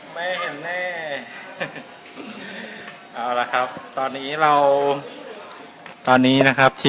ไม่เห็นแน่